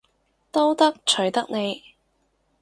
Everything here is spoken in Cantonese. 都得，隨得你